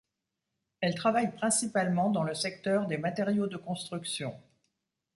Elle travaille principalement dans le secteur des matériaux de construction.